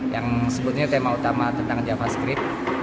yang sebutnya tema utama tentang javascript